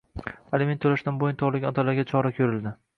Aliment to‘lashdan bo‘yin tovlagan otalarga chora ko‘rilding